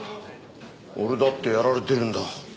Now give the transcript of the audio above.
俺だってやられてるんだ。